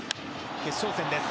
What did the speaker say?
決勝戦です。